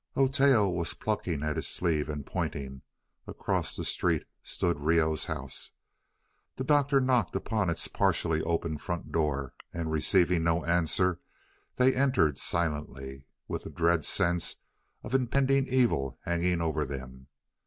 Oteo was plucking at his sleeve and pointing. Across the street stood Reoh's house. The Doctor knocked upon its partially open front door, and, receiving no answer, they entered silently, with the dread sense of impending evil hanging over them.